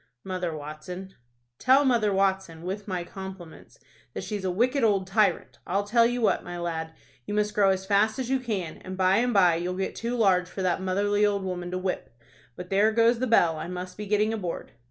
"Mother Watson." "Tell Mother Watson, with my compliments, that she's a wicked old tyrant. I'll tell you what, my lad, you must grow as fast as you can, and by and by you'll get too large for that motherly old woman to whip. But there goes the bell. I must be getting aboard."